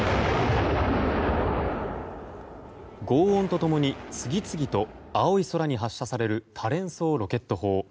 轟音と共に次々と青い空に発射される多連装ロケット砲。